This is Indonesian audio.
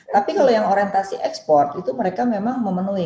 tapi kalau yang orientasi ekspor itu mereka memang memenuhi